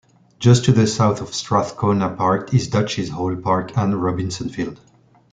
Just to the south of Strathcona Park is Dutchy's Hole Park and Robinson Field.